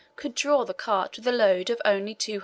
could draw the cart with a load of only 225 lbs.